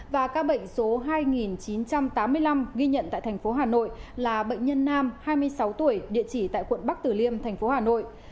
và các bệnh số hai chín trăm tám mươi năm ghi nhận tại thành phố hà nội là bệnh nhân nam hai mươi sáu tuổi địa chỉ tại quận bắc tử liêm thành phố hà nội